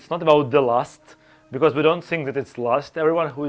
karena kami tidak berpikir bahwa ini adalah rasa terakhir